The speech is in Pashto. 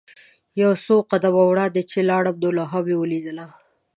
یو څو قدمه وړاندې چې لاړم نو لوحه مې ولیدله.